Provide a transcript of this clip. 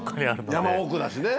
山奥だしね。